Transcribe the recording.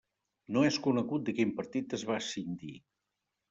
No és conegut de quin partit es va escindir.